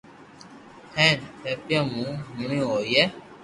ھين دييون مون ھوڻتو ھوئي